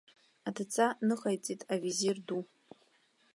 Адҵа ныҟаиҵеит авизир ду.